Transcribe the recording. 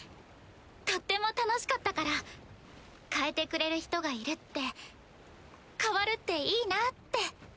とっても楽しかったから変えてくれる人がいるって変わるっていいなぁって。